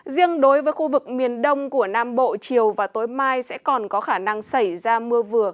riêng đối với khu vực miền đông của nam bộ chiều và tối mai sẽ còn có khả năng xảy ra mưa vừa